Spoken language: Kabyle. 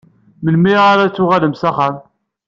Melmi ara d-tuɣalem s axxam?